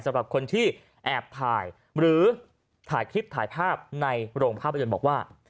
สำหรับคนที่แอบถ่ายหรือถ่ายคลิปถ่ายภาพในโรงภาพยนตร์บอกว่า